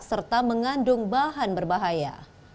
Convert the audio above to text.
serta mengandung bahan berbahaya